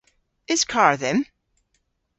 Eus karr dhymm?